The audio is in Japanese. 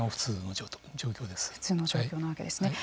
普通の状況なわけですね。